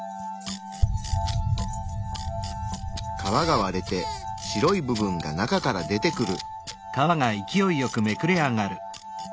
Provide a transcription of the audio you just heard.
皮が割れて白い部分が中から出てくる。